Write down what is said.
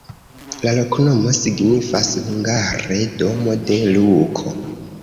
La loknomo signifas hungare: domo de Luko.